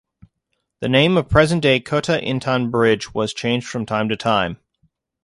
The name of present day Kota Intan Bridge has changed from time to time.